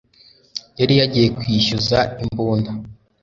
Yari yagiye kwishyuza imbunda